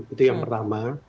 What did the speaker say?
itu yang pertama